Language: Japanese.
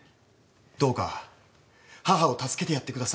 どうか義母を助けてやってください。